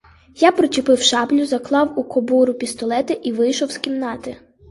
Я причепив шаблю, заклав у кобуру пістолета і вийшов з кімнати.